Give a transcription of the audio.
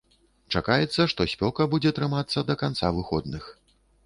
Чакаецца, што спёка будзе трымацца да канца выходных.